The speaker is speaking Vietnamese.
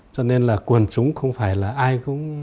cho nên là quần chúng không phải là ai